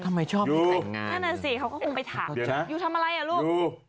ทำไมชอบไม่แต่งยูยูทำอะไรอ่ะลูก